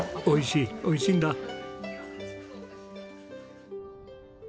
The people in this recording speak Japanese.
おいしいおいしいんだ。